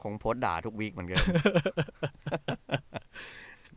โพสต์ด่าทุกวีคเหมือนกัน